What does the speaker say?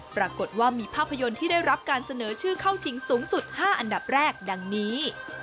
ปรากฏว่ามีภาพยนตร์ที่ได้รับการเสนอชื่อเข้าชิงสูงสุด๕อันดับแรกดังนี้